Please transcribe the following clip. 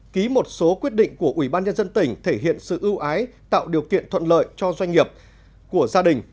ký một số quyết định của ubnd thể hiện sự ưu ái tạo điều kiện thuận lợi cho doanh nghiệp của gia đình